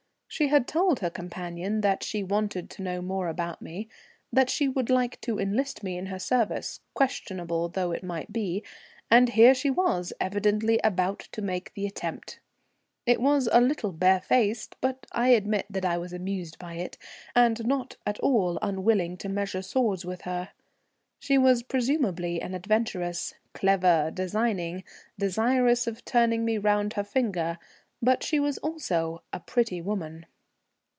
She had told her companion that she wanted to know more about me, that she would like to enlist me in her service, questionable though it might be, and here she was evidently about to make the attempt. It was a little barefaced, but I admit that I was amused by it, and not at all unwilling to measure swords with her. She was presumably an adventuress, clever, designing, desirous of turning me round her finger, but she was also a pretty woman.